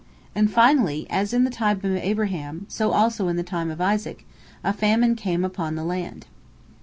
And, finally, as in the time of Abraham, so also in the time of Isaac, a famine came upon the land.